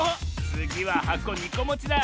つぎははこ２こもちだ！